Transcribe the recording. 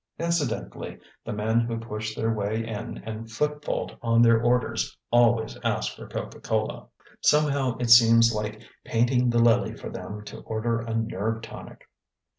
(Incidentally, the men who push their way in and footfault on their orders always ask for "Coca Cola." Somehow it seems like painting the lily for them to order a nerve tonic.)